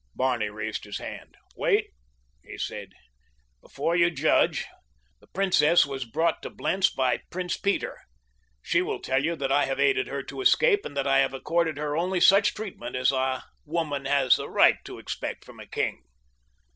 Barney raised his hand. "Wait," he said, "before you judge. The princess was brought to Blentz by Prince Peter. She will tell you that I have aided her to escape and that I have accorded her only such treatment as a woman has a right to expect from a king."